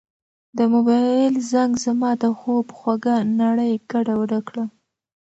د موبایل زنګ زما د خوب خوږه نړۍ ګډوډه کړه.